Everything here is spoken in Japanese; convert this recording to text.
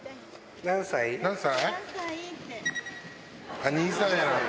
何歳？